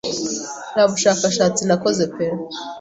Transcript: Nta bushakashatsi nakoze pe